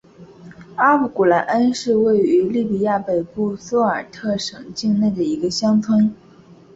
阿布古来恩是位于利比亚北部苏尔特省境内的一个乡村。